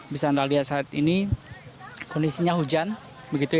bisa anda lihat saat ini kondisinya hujan begitu ya